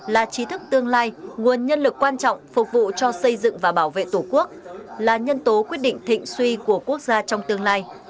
là trí thức tương lai nguồn nhân lực quan trọng phục vụ cho xây dựng và bảo vệ tổ quốc là nhân tố quyết định thịnh suy của quốc gia trong tương lai